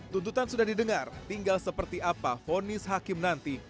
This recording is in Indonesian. tuntutan sudah didengar tinggal seperti apa fonis hakim nanti